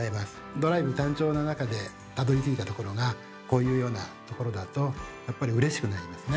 ドライブ単調な中でたどりついたところがこういうようなところだとやっぱりうれしくなりますね。